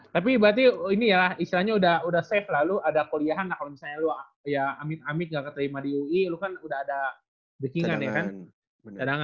tapi berarti ini ya lah istilahnya udah safe lah lu ada kuliahan lah kalau misalnya lu amit amit gak keterima di ui lu kan udah ada backing an ya kan